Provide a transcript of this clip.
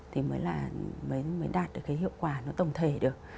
thì mới là mới đạt được cái hiệu quả nó tổng thể được